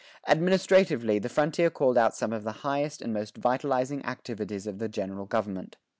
[25:2] Administratively the frontier called out some of the highest and most vitalizing activities of the general government.